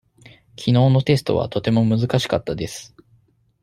きのうのテストはとても難しかったです。